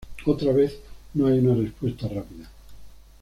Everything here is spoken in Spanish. Otra vez, no hay una respuesta rápida.